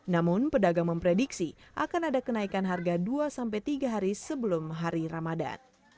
namun pedagang memprediksi akan ada kenaikan harga dua sampai tiga hari sebelum hari ramadhan